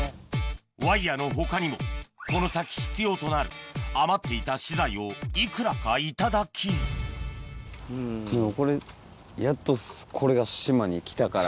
ワイヤの他にもこの先必要となる余っていた資材をいくらか頂きこれやっとこれが島に来たから。